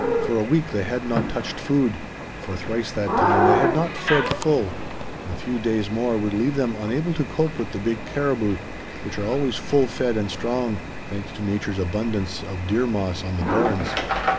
For a week they had not touched food; for thrice that time they had not fed full, and a few days more would leave them unable to cope with the big caribou, which are always full fed and strong, thanks to nature's abundance of deer moss on the barrens.